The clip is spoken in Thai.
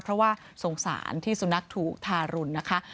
เพราะว่าสงสารที่สุนัขถูกทารุณนะคะ